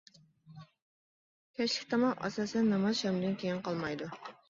كەچلىك تاماق ئاساسەن ناماز شامدىن كىيىن قالمايدۇ.